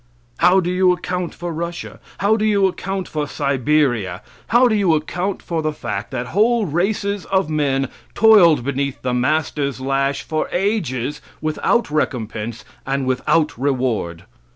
How do you account for Russia? How do you account for Siberia? How do you account for the fact that whole races of men toiled beneath the master's lash for ages without recompense and without reward?